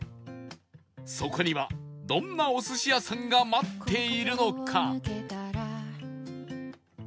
そこにはどんなお寿司屋さんが待っているのか？